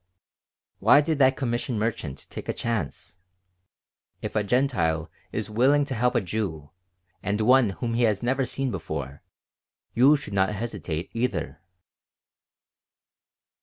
"Why did that commission merchant take a chance? If a Gentile is willing to help a Jew, and one whom he had never seen before, you should not hesitate, either."